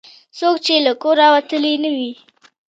څوک چې له کوره وتلي نه وي.